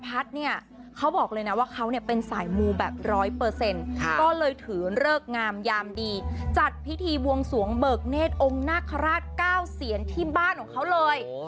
เขาบอกเลยนะว่าเขาเนี่ยเป็นสายมูแบบร้อยเปอร์เซ็นต์ก็เลยถือเลิกงามยามดีจัดพิธีบวงสวงเบิกเนธองค์นาคาราช๙เสียนที่บ้านของเขาเลย